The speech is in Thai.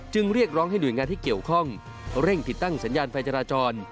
เรียกร้องให้หน่วยงานที่เกี่ยวข้องเร่งติดตั้งสัญญาณไฟจราจร